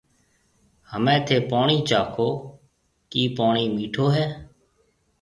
همَي ٿَي پوڻِي چاکو ڪِي پوڻِي مِٺو هيَ۔